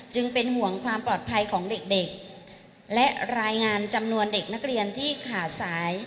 เป็นห่วงความปลอดภัยของเด็กและรายงานจำนวนเด็กนักเรียนที่ขาดสาย